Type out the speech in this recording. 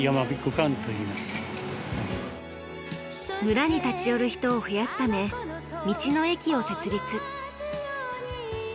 村に立ち寄る人を増やすため道の駅を設立。